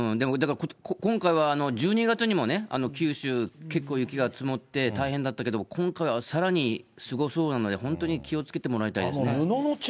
今回は１２月にも九州、結構雪が積もって、大変だったけど、今回はさらにすごそうなので、本当に気をつけてもらいたいですね。